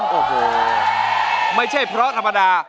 โอ้โหไม่ใช่เพราะธรรมดา